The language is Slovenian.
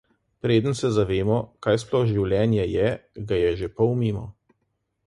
Preden se zavemo, kaj sploh življenje je, ga je že pol mimo.